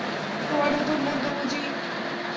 তোমার নতুন বন্ধু বুঝি?